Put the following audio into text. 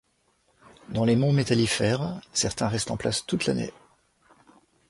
Dans les Monts métallifères, certaines restent en place toute l'année.